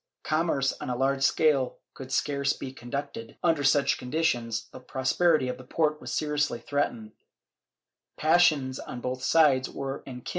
Commerce on a large scale could scarce be conducted under such conditions, the prosperity of the port was seriously threatened, passions on both sides were enkindled ' Archive de Simancas, Inq.